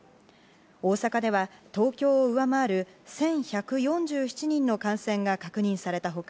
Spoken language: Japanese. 大阪では東京を上回る１２６３人の感染が確認された他